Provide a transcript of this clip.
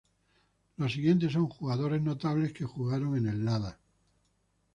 Los siguientes son jugadores notables que jugaron en el Lada.